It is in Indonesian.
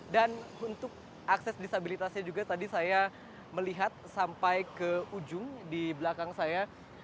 dan untuk akses disabilitasnya juga tadi saya melihat sampai ke ujung di belakang saya